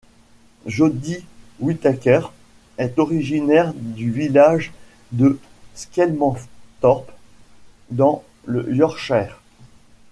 Jodie Whittaker est originaire du village de Skelmanthorpe, dans le Yorkshire.